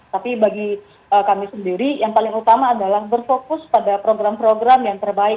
tapi bagi kami sendiri yang paling utama adalah berfokus pada program program yang terbaik